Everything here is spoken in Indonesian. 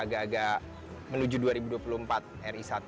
agak agak menuju dua ribu dua puluh empat ri satu